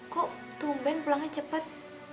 kok tumben pulangnya cepet